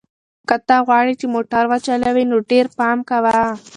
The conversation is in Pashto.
که ته غواړې چې موټر وچلوې نو ډېر پام کوه.